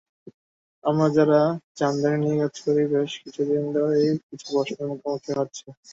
আমরা যাঁরা জামদানি নিয়ে কাজ করি, বেশ কিছুদিন ধরেই কিছু প্রশ্নের মুখোমুখি হচ্ছি।